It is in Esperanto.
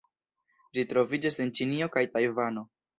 Ĝi troviĝas en Ĉinio kaj Tajvano.